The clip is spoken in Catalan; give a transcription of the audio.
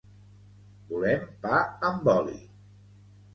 volem pa amb oli